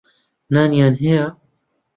نانیان هەیە.